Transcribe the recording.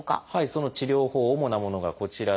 その治療法主なものがこちらです。